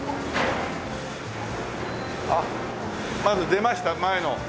あっまず出ました前の。